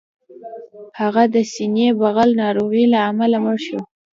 هغه د سینې بغل ناروغۍ له امله مړ شو